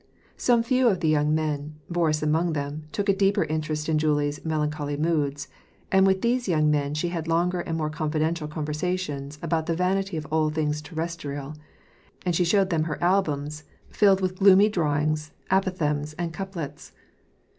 Some few of the young men, Boris among them, took a deeper interest in Julie's melancholy moods ; and with these young men she had longer and more confidential conversations about the vanity of all things terrestrial, and she showed them her albums, filled with gloomy drawings, apothegms and couplets.